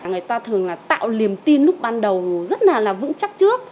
người ta thường là tạo niềm tin lúc ban đầu rất là vững chắc trước